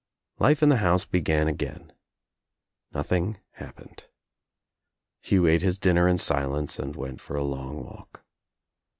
Life in the house began again. Nothing happened. Hugh ate his dinner In silence and went for a long walk.